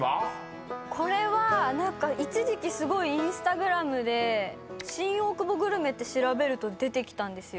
これは何か一時期すごいＩｎｓｔａｇｒａｍで「新大久保グルメ」って調べると出てきたんですよ。